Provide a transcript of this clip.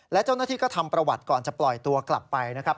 และเจ้าหน้าที่ก็ทำประวัติก่อนจะปล่อยตัวกลับไปนะครับ